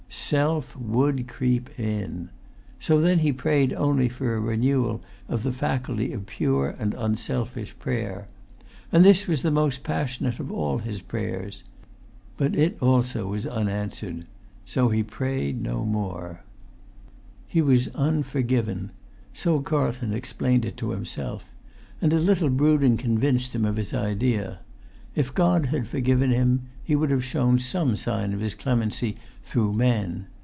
Self would creep in. So then he prayed only for a renewal of the faculty of pure and unselfish prayer. And this was the most passionate of all his prayers. But it also was unanswered. So he prayed no more. [Pg 214]He was unforgiven: so Carlton explained it to himself. And a little brooding convinced him of his idea. If God had forgiven him, He would have shown some sign of His clemency through men.